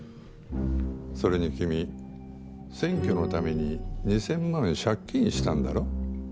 それに君選挙のために２，０００万借金したんだろ？